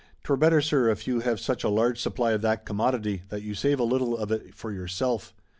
'Twere better, sir, if you have such a large supply of that commodity that you save a little of it for yourself.